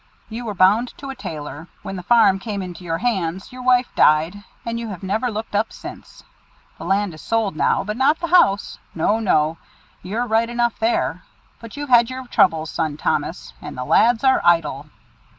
You were bound to a tailor. When the farm came into your hands, your wife died, and you have never looked up since. The land is sold now, but not the house. No! no! you're right enough there; but you've had your troubles, son Thomas, and the lads are idle!"